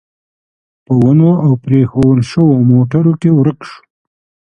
په ونو او پرېښوول شوو موټرو کې ورک شو.